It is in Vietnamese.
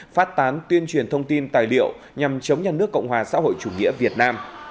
phát tán tuyên truyền thông tin tài liệu nhằm chống nhà nước cộng hòa xã hội chủ nghĩa việt nam